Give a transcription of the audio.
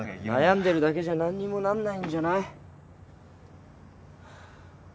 悩んでるだけじゃ何にもなんないんじゃない？